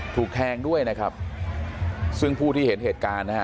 ถูกแทงด้วยนะครับซึ่งผู้ที่เห็นเหตุการณ์นะฮะ